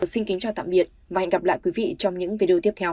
xin kính chào tạm biệt và hẹn gặp lại quý vị trong những video tiếp theo